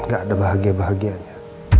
gak ada bahagia bahagianya